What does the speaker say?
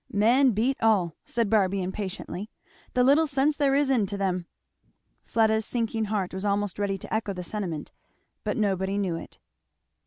"Men beat all!" said Barby impatiently. "The little sense there is into them! " Fleda's sinking heart was almost ready to echo the sentiment; but nobody knew it.